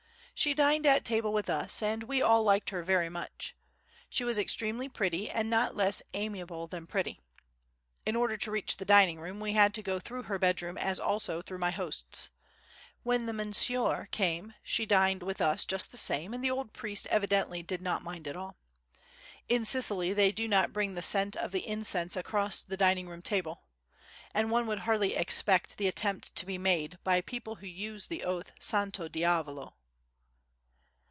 She dined at table with us and we all liked her very much. She was extremely pretty and not less amiable than pretty. In order to reach the dining room we had to go through her bedroom as also through my host's. When the monsignore came, she dined with us just the same, and the old priest evidently did not mind at all. In Sicily they do not bring the scent of the incense across the dining room table. And one would hardly expect the attempt to be made by people who use the oath "Santo Diavolo."